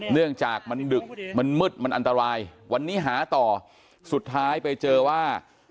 เนื่องจากมันดึกมันมืดมันอันตรายวันนี้หาต่อสุดท้ายไปเจอว่า